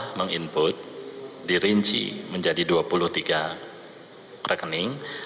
kemampuan input dirinci menjadi dua puluh tiga rekening